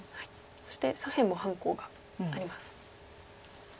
そして左辺も半コウがあります。